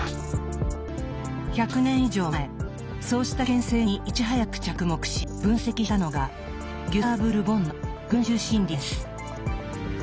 １００年以上前そうした危険性にいち早く着目し分析したのがギュスターヴ・ル・ボンの「群衆心理」です。